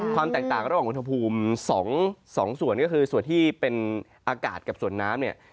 ความแตกต่างระหว่างอุณหภูมิ๒ส่วนก็คือส่วนที่เป็นอากาศกับส่วนน้ำเนี่ย